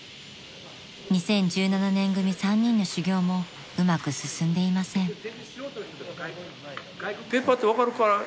［２０１７年組３人の修業もうまく進んでいません］